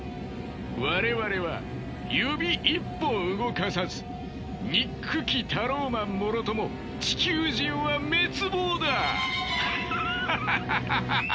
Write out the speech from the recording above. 我々は指一本動かさず憎きタローマンもろとも地球人は滅亡だ！ハハハハハハ！